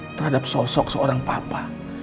terhadap sosok seorang papa